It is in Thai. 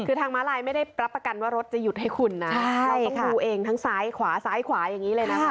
คือทางม้าลายไม่ได้รับประกันว่ารถจะหยุดให้คุณนะเราก็ดูเองทั้งซ้ายขวาซ้ายขวาอย่างนี้เลยนะคะ